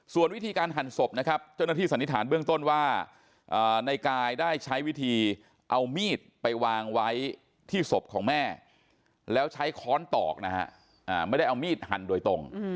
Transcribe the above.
ส่วนวิธีการหั่นศพนะครับเจ้าหน้าที่สันนิษฐานเบื้องต้นว่าในกายได้ใช้วิธีเอามีดไปวางไว้ที่ศพของแม่แล้วใช้ค้อนตอกนะฮะไม่ได้เอามีดหั่นโดยตรง